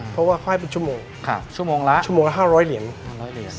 เพราะว่าค่อยเป็นชั่วโมงชั่วโมงละ๕๐๐เหรียญ